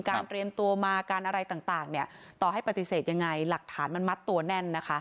เตรียมตัวมาการอะไรต่างเนี่ยต่อให้ปฏิเสธยังไงหลักฐานมันมัดตัวแน่นนะคะ